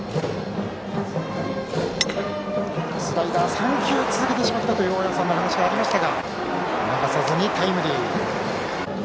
スライダー３球続けてしまったという大矢さんの話がありましたがタイムリー。